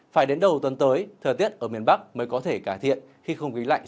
phải đến đầu tuần tới thời tiết ở miền bắc mới có thể cải thiện khi không khí lạnh